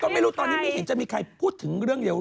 ก็ไม่รู้ตอนนี้ไม่เห็นจะมีใครพูดถึงเรื่องเดียว